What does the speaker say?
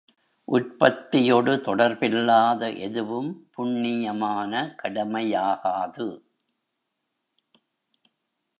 உற்பத்தியொடு தொடர்பில்லாத எதுவும் புண்ணியமான கடமையாகாது.